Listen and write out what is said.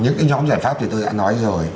những cái nhóm giải pháp thì tôi đã nói rồi